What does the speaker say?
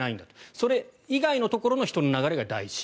それ以外のところの人の流れが大事。